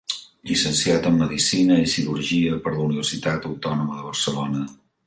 Llicenciat en medicina i cirurgia per la Universitat Autònoma de Barcelona.